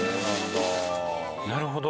なるほど。